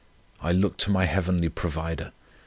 I look to my heavenly Provider.